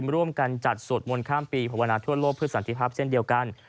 ร่วมกันจัดสวดมนต์ข้ามปีภาวนาทั่วโลกเพื่อสันติภาพเช่นเดียวกัน